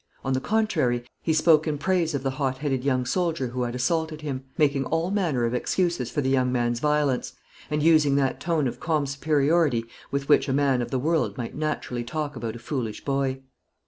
On the contrary, he spoke in praise of the hot headed young soldier who had assaulted him, making all manner of excuses for the young man's violence, and using that tone of calm superiority with which a man of the world might naturally talk about a foolish boy.